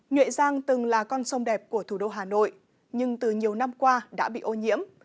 nhuệ giang từng là con sông đẹp của thủ đô hà nội nhưng từ nhiều năm qua đã bị ô nhiễm